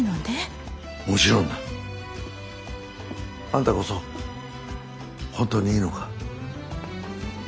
あんたこそ本当にいいのか？